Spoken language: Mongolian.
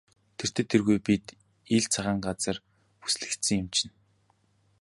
Тэртэй тэргүй бид ил цагаан газар бүслэгдсэн юм чинь.